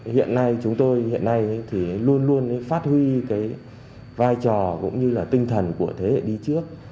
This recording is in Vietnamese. hiện nay chúng tôi luôn luôn phát huy vai trò cũng như tinh thần của thế hệ đi trước